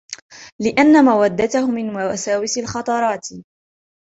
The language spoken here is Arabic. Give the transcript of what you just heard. لِأَنَّ مَوَدَّتَهُ مِنْ وَسَاوِسِ الْخَطَرَاتِ